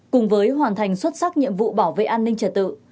đảng đã hoàn thành xuất sắc nhiệm vụ bảo vệ an ninh trả tự